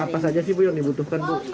apa saja sih bu yang dibutuhkan bu